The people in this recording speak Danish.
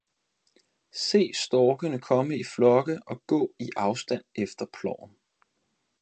– Se storkene komme i flokke og gå i afstand efter ploven.